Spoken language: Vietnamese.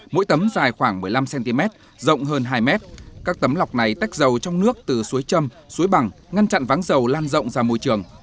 mỗi tấm dài khoảng một mươi năm cm rộng hơn hai m các tấm lọc này tách dầu trong nước từ suối châm suối bằng ngăn chặn váng dầu lan rộng ra môi trường